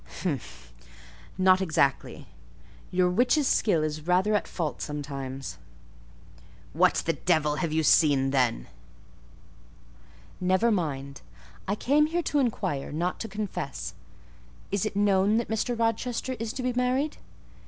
"Humph! Not exactly. Your witch's skill is rather at fault sometimes." "What the devil have you seen, then?" "Never mind: I came here to inquire, not to confess. Is it known that Mr. Rochester is to be married?"